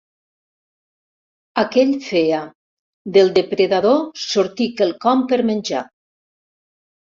Aquell feia: «Del depredador sortí quelcom per menjar.